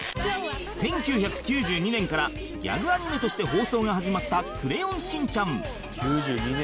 １９９２年からギャグアニメとして放送が始まった『クレヨンしんちゃん』